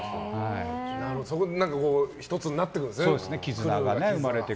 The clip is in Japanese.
そこで１つになっていくんですね。